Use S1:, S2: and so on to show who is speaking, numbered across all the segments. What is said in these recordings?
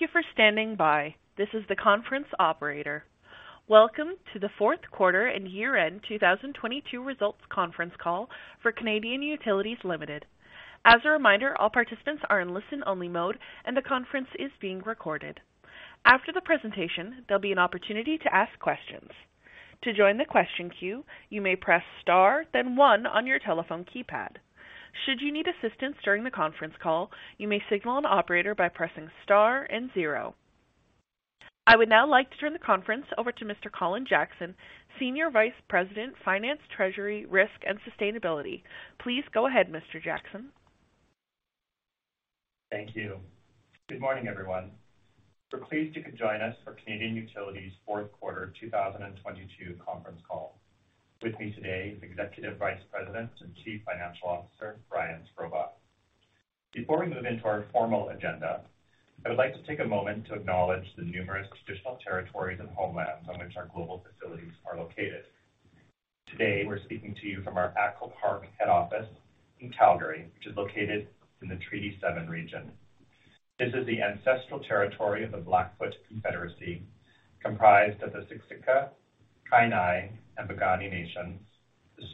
S1: Thank you for standing by. This is the conference operator. Welcome to the fourth quarter and year-end 2022 results conference call for Canadian Utilities Limited. As a reminder, all participants are in listen-only mode, and the conference is being recorded. After the presentation, there will be an opportunity to ask questions. To join the question queue, you may press star, then one on your telephone keypad. Should you need assistance during the conference call, you may signal an operator by pressing star and zero. I would now like to turn the conference over to Mr. Colin Jackson, Senior Vice President, Finance, Treasury, Risk, and Sustainability. Please go ahead, Mr. Jackson.
S2: Thank you. Good morning, everyone. We're pleased you could join us for Canadian Utilities' fourth quarter 2022 conference call. With me today is Executive Vice President and Chief Financial Officer Brian Shkrobot. Before we move into our formal agenda, I would like to take a moment to acknowledge the numerous traditional territories and homelands on which our global facilities are located. Today, we're speaking to you from our ATCO Park head office in Calgary, which is located in the Treaty 7 region. This is the ancestral territory of the Blackfoot Confederacy, comprised of the Siksika, Kainai, and Piikani nations, the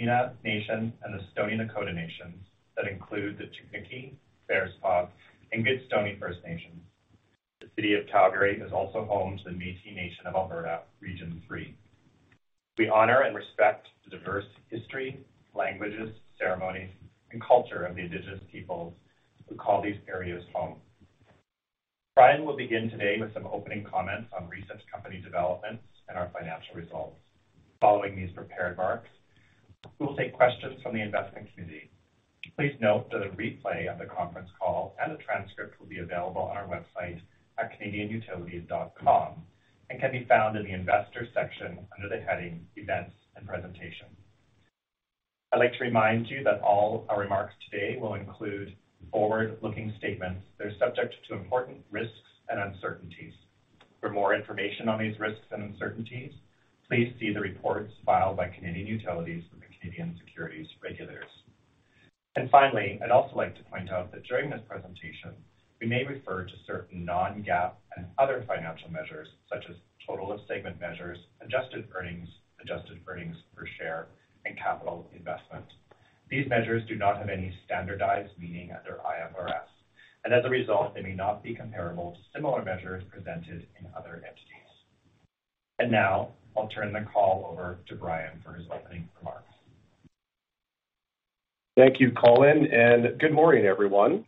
S2: Tsuut'ina Nation, and the Stoney Nakoda Nations that include the Chiniki, Bearspaw, and Goodstoney First Nations. The City of Calgary is also home to the Métis Nation of Alberta, Region 3. We honor and respect the diverse history, languages, ceremonies, and culture of the Indigenous peoples who call these areas home. Brian will begin today with some opening comments on recent company developments and our financial results. Following these prepared remarks, we will take questions from the investment community. Please note that a replay of the conference call and a transcript will be available on our website at canadianutilities.com and can be found in the Investors section under the heading Events and Presentation. I'd like to remind you that all our remarks today will include forward-looking statements that are subject to important risks and uncertainties. For more information on these risks and uncertainties, please see the reports filed by Canadian Utilities with the Canadian securities regulators. Finally, I'd also like to point out that during this presentation, we may refer to certain non-GAAP and other financial measures, such as total of segment measures, adjusted earnings, adjusted earnings per share, and capital investment. These measures do not have any standardized meaning under IFRS, and as a result, they may not be comparable to similar measures presented in other entities. Now I'll turn the call over to Brian for his opening remarks.
S3: Thank you, Colin. Good morning, everyone.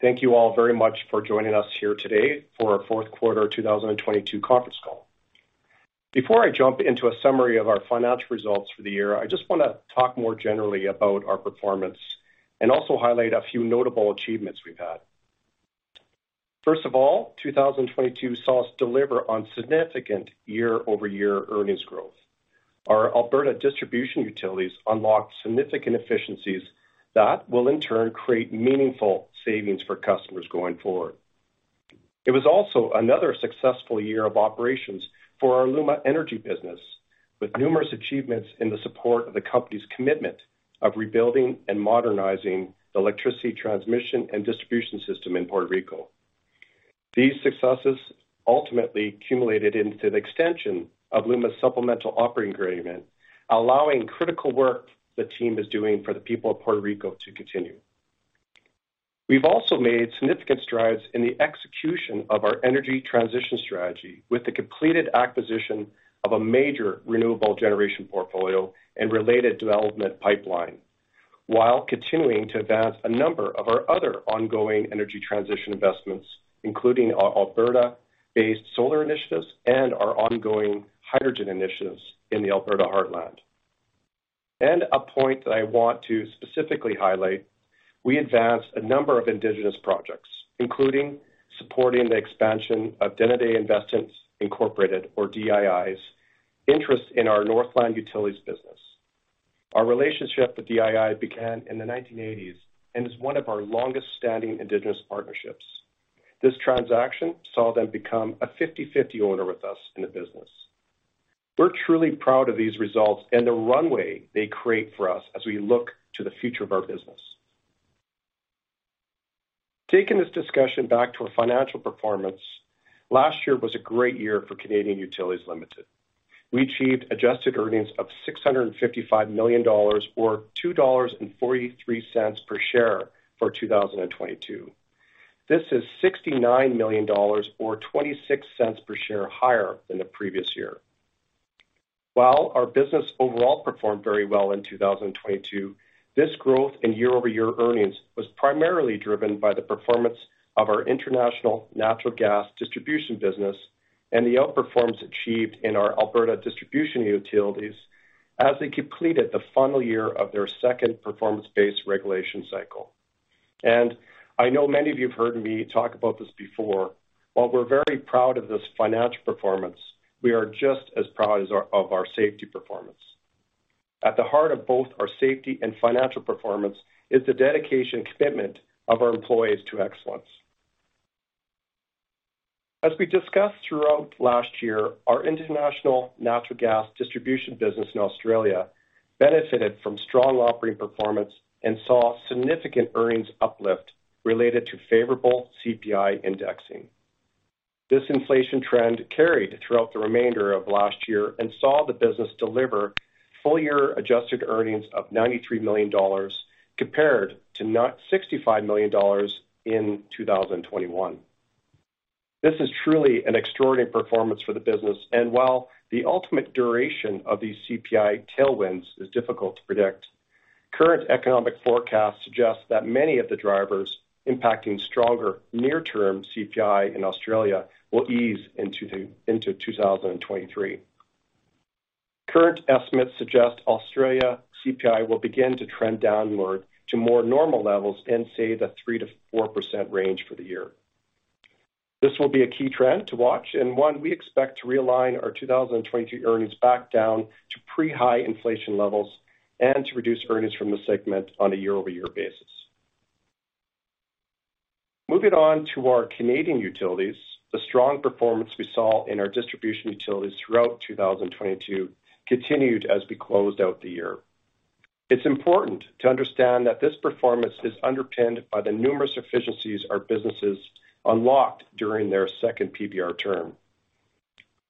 S3: Thank you all very much for joining us here today for our fourth quarter 2022 conference call. Before I jump into a summary of our financial results for the year, I just want to talk more generally about our performance and also highlight a few notable achievements we've had. First of all, 2022 saw us deliver on significant year-over-year earnings growth. Our Alberta distribution utilities unlocked significant efficiencies that will in turn create meaningful savings for customers going forward. It was also another successful year of operations for our LUMA Energy business, with numerous achievements in the support of the company's commitment of rebuilding and modernizing the electricity transmission and distribution system in Puerto Rico. These successes ultimately accumulated into the extension of LUMA's Supplemental Agreement, allowing critical work the team is doing for the people of Puerto Rico to continue. We've also made significant strides in the execution of our energy transition strategy with the completed acquisition of a major renewable generation portfolio and related development pipeline, while continuing to advance a number of our other ongoing energy transition investments, including our Alberta-based solar initiatives and our ongoing hydrogen initiatives in the Alberta Heartland. And a point that I want to specifically highlight, we advanced a number of indigenous projects, including supporting the expansion of Denendeh Investments Incorporated's, or DII's interest in our Northland Utilities business. Our relationship with DII began in the 1980s and is one of our longest-standing indigenous partnerships. This transaction saw them become a 50/50 owner with us in the business. We're truly proud of these results and the runway they create for us as we look to the future of our business. Taking this discussion back to our financial performance, last year was a great year for Canadian Utilities Limited. We achieved adjusted earnings of 655 million dollars or 2.43 dollars per share for 2022. This is 69 million dollars or 0.26 per share higher than the previous year. While our business overall performed very well in 2022, this growth in year-over-year earnings was primarily driven by the performance of our international natural gas distribution business and the outperformance achieved in our Alberta distribution utilities as they completed the final year of their second performance-based regulation cycle. I know many of you have heard me talk about this before. While we're very proud of this financial performance, we are just as proud of our safety performance. At the heart of both our safety and financial performance is the dedication commitment of our employees to excellence. We discussed throughout last year, our international natural gas distribution business in Australia benefited from strong operating performance and saw significant earnings uplift related to favorable CPI indexing. This inflation trend carried throughout the remainder of last year and saw the business deliver full-year adjusted earnings of 93 million dollars compared to not 65 million dollars in 2021. This is truly an extraordinary performance for the business. While the ultimate duration of these CPI tailwinds is difficult to predict, current economic forecasts suggest that many of the drivers impacting stronger near-term CPI in Australia will ease into 2023. Current estimates suggest Australia CPI will begin to trend downward to more normal levels in, say, the 3%-4% range for the year. This will be a key trend to watch and one we expect to realign our 2022 earnings back down to pre-high inflation levels and to reduce earnings from the segment on a year-over-year basis. Moving on to our Canadian utilities, the strong performance we saw in our distribution utilities throughout 2022 continued as we closed out the year. It's important to understand that this performance is underpinned by the numerous efficiencies our businesses unlocked during their second PBR term.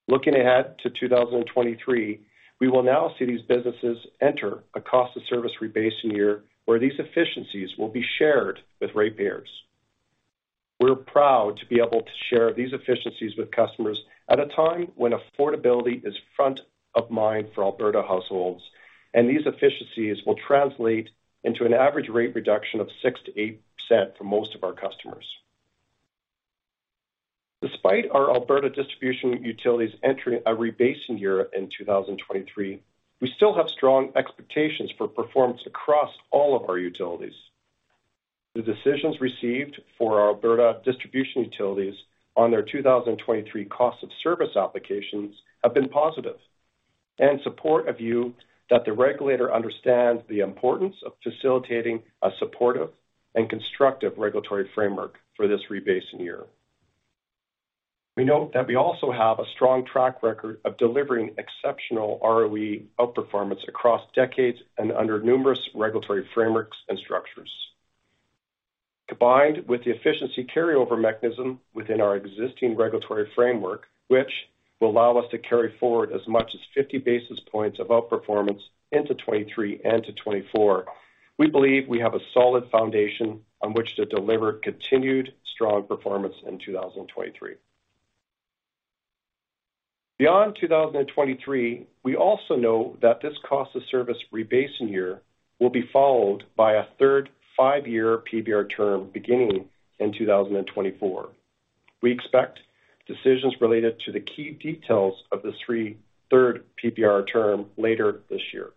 S3: Looking ahead to 2023, we will now see these businesses enter a cost of service rebasing year where these efficiencies will be shared with ratepayers. We're proud to be able to share these efficiencies with customers at a time when affordability is front of mind for Alberta households, and these efficiencies will translate into an average rate reduction of 6%-8% for most of our customers. Despite our Alberta distribution utilities entering a rebasing year in 2023, we still have strong expectations for performance across all of our utilities. The decisions received for our Alberta distribution utilities on their 2023 cost of service applications have been positive and support a view that the regulator understands the importance of facilitating a supportive and constructive regulatory framework for this rebasing year. We note that we also have a strong track record of delivering exceptional ROE outperformance across decades and under numerous regulatory frameworks and structures. Combined with the efficiency carryover mechanism within our existing regulatory framework, which will allow us to carry forward as much as 50 basis points of outperformance into 2023 and to 2024, we believe we have a solid foundation on which to deliver continued strong performance in 2023. Beyond 2023, we also know that this cost of service rebasing year will be followed by a third five-year PBR term beginning in 2024. We expect decisions related to the key details of this third PBR term later this year.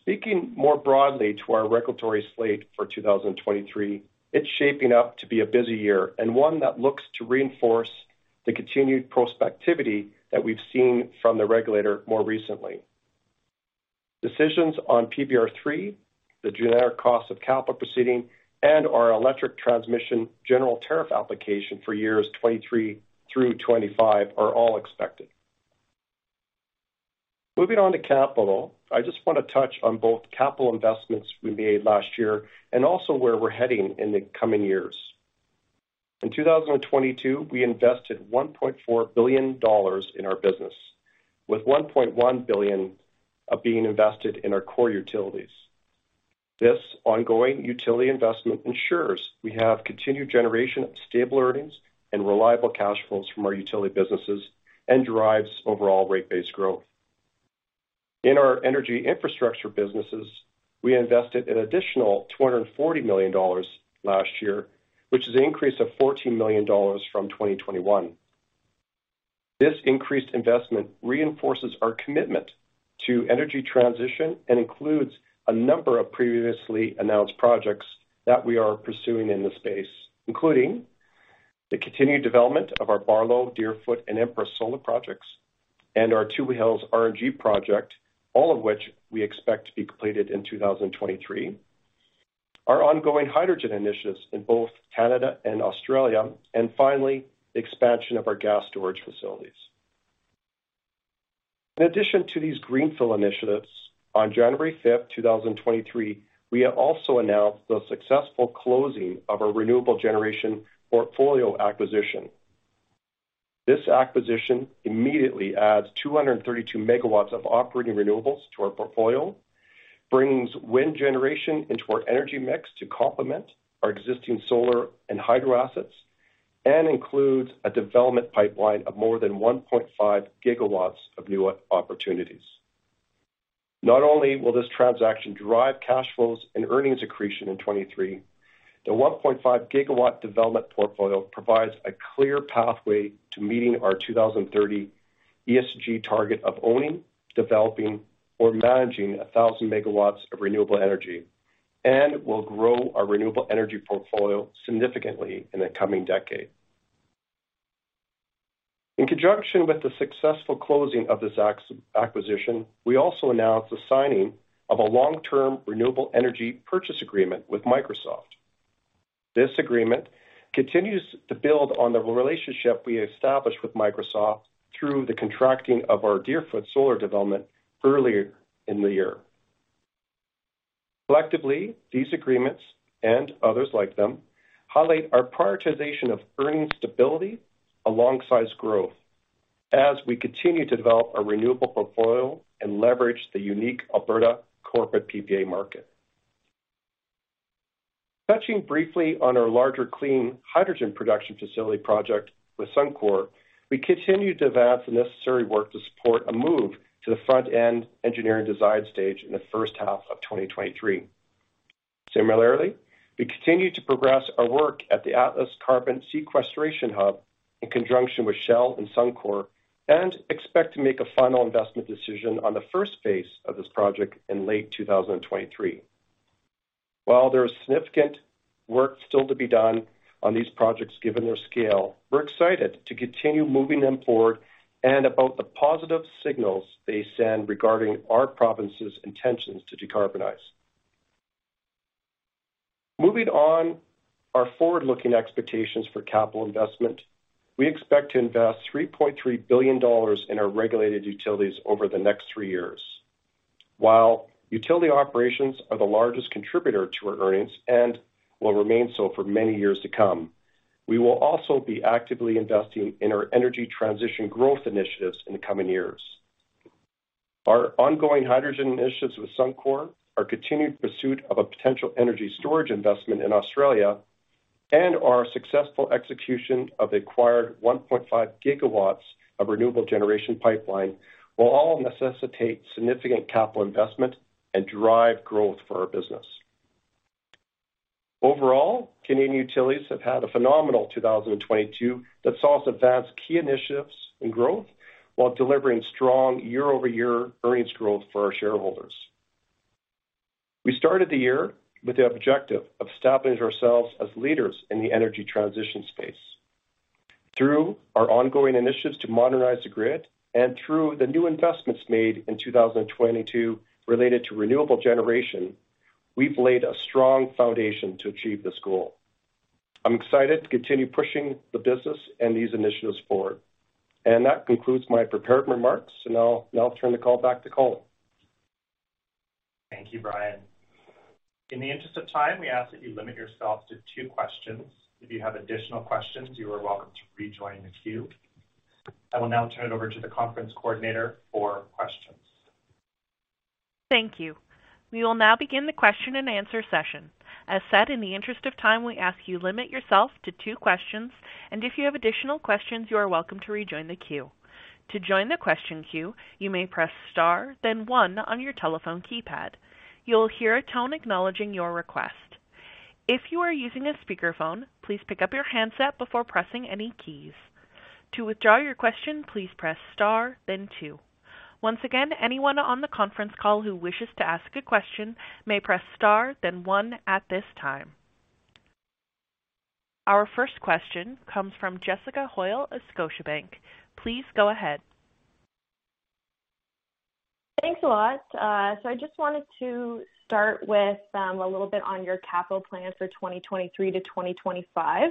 S3: Speaking more broadly to our regulatory slate for 2023, it's shaping up to be a busy year and one that looks to reinforce the continued prospectivity that we've seen from the regulator more recently. Decisions on PBR3, the generic cost of capital proceeding, and our electric transmission general tariff application for years 2023 through 2025 are all expected. Moving on to capital, I just want to touch on both capital investments we made last year and also where we're heading in the coming years. In 2022, we invested 1.4 billion dollars in our business, with 1.1 billion of being invested in our core utilities. This ongoing utility investment ensures we have continued generation of stable earnings and reliable cash flows from our utility businesses and drives overall rate-based growth. In our energy infrastructure businesses, we invested an additional 240 million dollars last year, which is an increase of 14 million dollars from 2021. This increased investment reinforces our commitment to energy transition and includes a number of previously announced projects that we are pursuing in this space, including the continued development of our Barlow, Deerfoot, and Empress Solar projects and our Two Hills RNG project, all of which we expect to be completed in 2023, our ongoing hydrogen initiatives in both Canada and Australia, and finally, expansion of our gas storage facilities. In addition to these greenfield initiatives, on January 5th, 2023, we have also announced the successful closing of our renewable generation portfolio acquisition. This acquisition immediately adds 232 MW of operating renewables to our portfolio, brings wind generation into our energy mix to complement our existing solar and hydro assets, and includes a development pipeline of more than 1.5 GW of new opportunities. Not only will this transaction drive cash flows and earnings accretion in 2023, the 1.5 GW development portfolio provides a clear pathway to meeting our 2030 ESG target of owning, developing, or managing 1,000 megawatts of renewable energy and will grow our renewable energy portfolio significantly in the coming decade. In conjunction with the successful closing of this acquisition, we also announced the signing of a long-term Renewable Energy Purchase Agreement with Microsoft. This agreement continues to build on the relationship we established with Microsoft through the contracting of our Deerfoot Solar development earlier in the year. Collectively, these agreements and others like them highlight our prioritization of earnings stability alongside growth as we continue to develop our renewable portfolio and leverage the unique Alberta corporate PPA market. Touching briefly on our larger clean hydrogen production facility project with Suncor, we continue to advance the necessary work to support a move to the front-end engineering design stage in the first half of 2023. Similarly, we continue to progress our work at the Atlas Carbon Storage Hub in conjunction with Shell and Suncor, and expect to make a final investment decision on the first phase of this project in late 2023. While there is significant work still to be done on these projects given their scale, we're excited to continue moving them forward and about the positive signals they send regarding our province's intentions to decarbonize. Moving on our forward-looking expectations for capital investment, we expect to invest 3.3 billion dollars in our regulated utilities over the next three years. While utility operations are the largest contributor to our earnings and will remain so for many years to come, we will also be actively investing in our energy transition growth initiatives in the coming years. Our ongoing hydrogen initiatives with Suncor, our continued pursuit of a potential energy storage investment in Australia, and our successful execution of acquired 1.5 GW of renewable generation pipeline will all necessitate significant capital investment and drive growth for our business. Overall, Canadian Utilities have had a phenomenal 2022 that saw us advance key initiatives and growth while delivering strong year-over-year earnings growth for our shareholders. We started the year with the objective of establishing ourselves as leaders in the energy transition space. Through our ongoing initiatives to modernize the grid and through the new investments made in 2022 related to renewable generation, we've laid a strong foundation to achieve this goal. I'm excited to continue pushing the business and these initiatives forward. That concludes my prepared remarks, and I'll turn the call back to Colin.
S2: Thank you, Brian. In the interest of time, we ask that you limit yourselves to two questions. If you have additional questions, you are welcome to rejoin the queue. I will now turn it over to the conference coordinator for questions.
S1: Thank you. We will now begin the question-and-answer session. As said, in the interest of time, we ask you limit yourself to two questions, and if you have additional questions, you are welcome to rejoin the queue. To join the question queue, you may press star then one on your telephone keypad. You will hear a tone acknowledging your request. If you are using a speakerphone, please pick up your handset before pressing any keys. To withdraw your question, please press star then two. Once again, anyone on the conference call who wishes to ask a question may press star then one at this time. Our first question comes from Jessica Hoyle of Scotiabank. Please go ahead.
S4: Thanks a lot. I just wanted to start with a little bit on your capital plan for 2023 to 2025.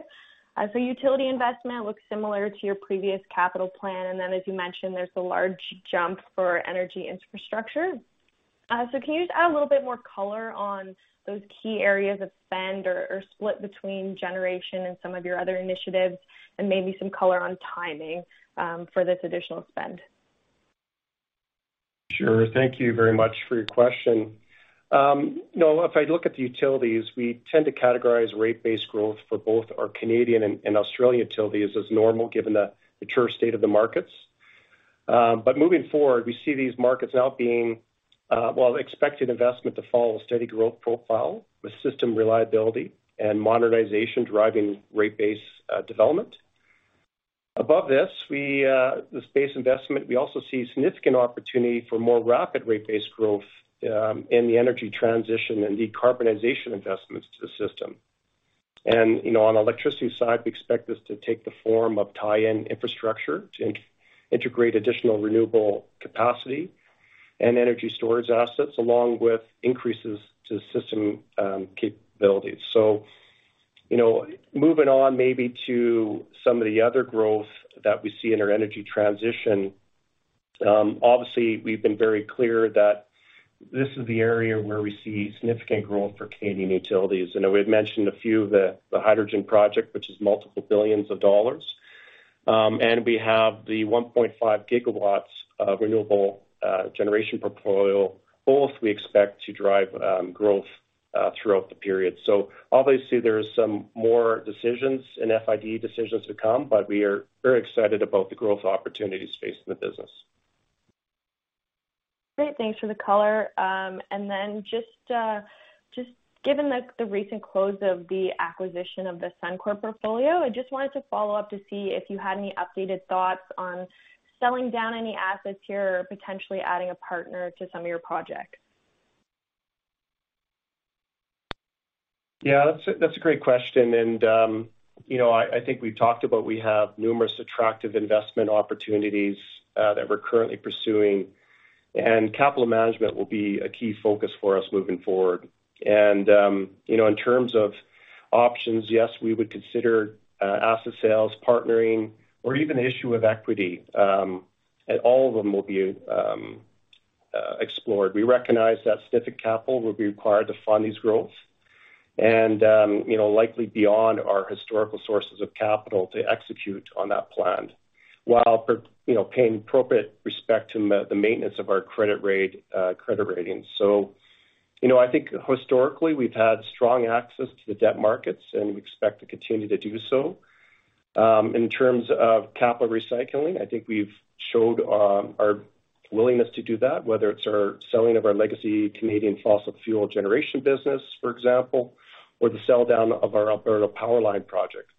S4: As a utility investment, it looks similar to your previous capital plan, as you mentioned, there's a large jump for energy infrastructure. Can you just add a little bit more color on those key areas of spend or split between generation and some of your other initiatives, and maybe some color on timing for this additional spend?
S3: Sure. Thank you very much for your question. You know, if I look at the utilities, we tend to categorize rate-based growth for both our Canadian and Australian utilities as normal given the mature state of the markets. Moving forward, we see these markets now being, well, expected investment to follow a steady growth profile with system reliability and modernization driving rate-based, development. Above this, we, this base investment, we also see significant opportunity for more rapid rate-based growth, in the energy transition and decarbonization investments to the system. You know, on electricity side, we expect this to take the form of tie-in infrastructure to integrate additional renewable capacity and energy storage assets, along with increases to system, capabilities. You know, moving on maybe to some of the other growth that we see in our energy transition, obviously, we've been very clear that this is the area where we see significant growth for Canadian Utilities. I know we've mentioned a few, the hydrogen project, which is multiple billions of dollars, and we have the 1.5 GW of renewable generation portfolio. Both we expect to drive growth throughout the period. Obviously there are some more decisions and FID decisions to come, but we are very excited about the growth opportunities facing the business.
S4: Great. Thanks for the color. Just given the recent close of the acquisition of the Suncor portfolio, I just wanted to follow up to see if you had any updated thoughts on selling down any assets here or potentially adding a partner to some of your projects.
S3: Yeah, that's a, that's a great question. You know, I think we've talked about we have numerous attractive investment opportunities that we're currently pursuing, and capital management will be a key focus for us moving forward. You know, in terms of options, yes, we would consider asset sales, partnering, or even the issue of equity, and all of them will be explored. We recognize that significant capital will be required to fund these growths and, you know, likely beyond our historical sources of capital to execute on that plan, while you know, paying appropriate respect to the maintenance of our credit rating. You know, I think historically, we've had strong access to the debt markets, and we expect to continue to do so. In terms of capital recycling, I think we've showed our willingness to do that, whether it's our selling of our legacy Canadian fossil fuel generation business, for example, or the sell-down of our Alberta PowerLine project.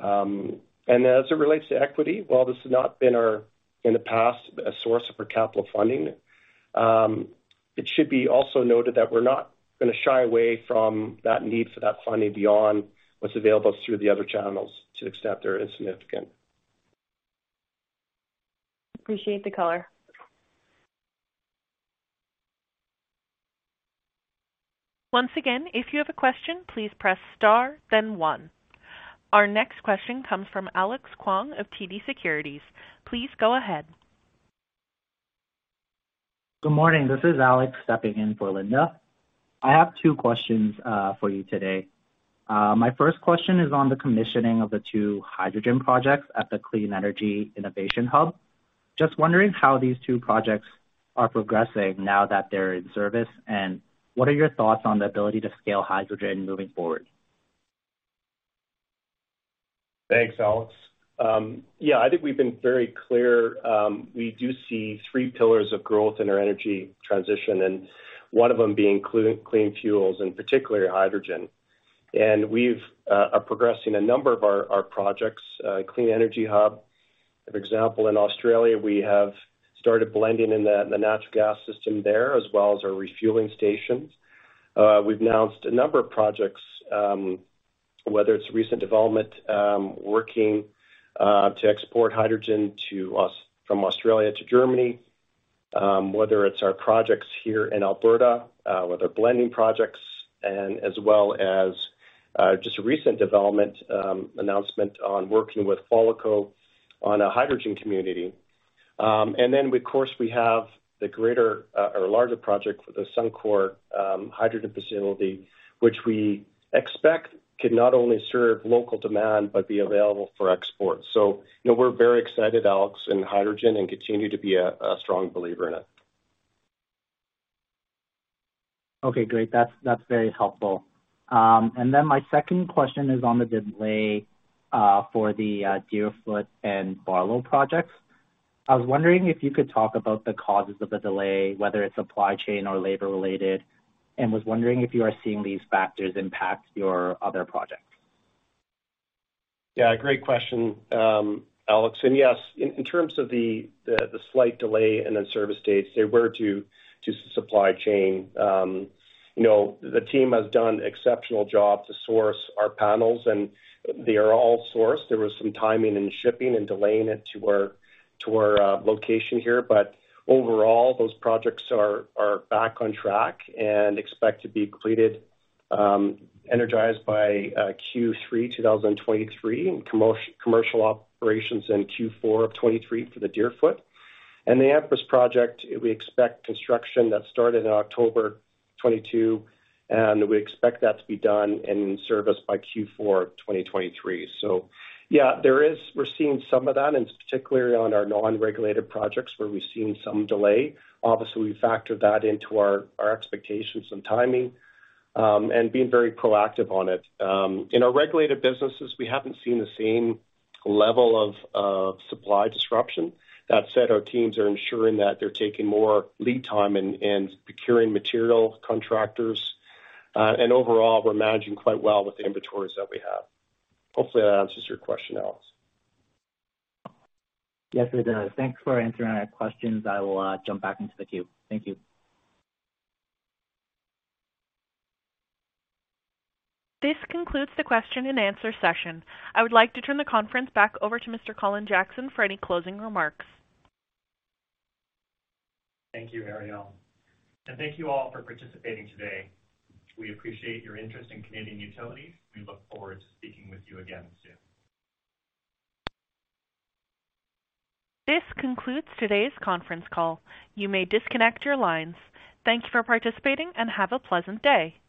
S3: As it relates to equity, while this has not been our, in the past, a source of our capital funding, it should be also noted that we're not gonna shy away from that need for that funding beyond what's available through the other channels to the extent there is significant.
S4: Appreciate the color.
S1: Once again, if you have a question, please press star then one. Our next question comes from Alex Kwong of TD Securities. Please go ahead.
S5: Good morning. This is Alex stepping in for Linda. I have two questions for you today. My first question is on the commissioning of the two hydrogen projects at the Clean Energy Innovation Hub. Just wondering how these two projects are progressing now that they're in service, and what are your thoughts on the ability to scale hydrogen moving forward?
S3: Thanks, Alex. Yeah, I think we've been very clear. We do see 3 pillars of growth in our energy transition, and one of them being clean fuels and particularly hydrogen. We've are progressing a number of our projects, clean energy hub. For example, in Australia, we have started blending in the natural gas system there as well as our refueling stations. We've announced a number of projects, whether it's recent development, working to export hydrogen from Australia to Germany. Whether it's our projects here in Alberta, whether blending projects and as well as just a recent development announcement on working with Qualico on a hydrogen community. Of course, we have the greater, or larger project for the Suncor hydrogen facility, which we expect could not only serve local demand but be available for export. You know, we're very excited, Alex, in hydrogen and continue to be a strong believer in it.
S5: Okay, great. That's very helpful. My second question is on the delay for the Deerfoot and Barlow projects. I was wondering if you could talk about the causes of the delay, whether it's supply chain or labor-related, and was wondering if you are seeing these factors impact your other projects.
S3: Yeah, great question, Alex. Yes, in terms of the slight delay in the service dates, they were due to supply chain. You know, the team has done exceptional job to source our panels, and they are all sourced. There was some timing and shipping and delaying it to our location here. Overall, those projects are back on track and expect to be completed, energized by Q3 2023, and commercial operations in Q4 of 2023 for the Deerfoot. The Empress project, we expect construction that started in October 2022, and we expect that to be done and in service by Q4 of 2023. Yeah, we're seeing some of that, and particularly on our non-regulated projects where we've seen some delay. Obviously, we've factored that into our expectations and timing, and being very proactive on it. In our regulated businesses, we haven't seen the same level of supply disruption. That said, our teams are ensuring that they're taking more lead time in procuring material contractors. Overall, we're managing quite well with the inventories that we have. Hopefully, that answers your question, Alex.
S5: Yes, it does. Thanks for answering our questions. I will jump back into the queue. Thank you.
S1: This concludes the question and answer session. I would like to turn the conference back over to Mr. Colin Jackson for any closing remarks.
S2: Thank you, Ariel. Thank you all for participating today. We appreciate your interest in Canadian Utilities. We look forward to speaking with you again soon.
S1: This concludes today's conference call. You may disconnect your lines. Thank you for participating, and have a pleasant day.